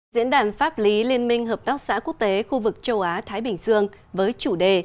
diễn đàn pháp lý liên minh hợp tác xã quốc tế khu vực châu á thái bình dương với chủ đề